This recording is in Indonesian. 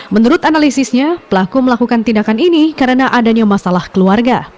menurut analisisnya pelaku melakukan tindakan ini karena adanya masalah keluarga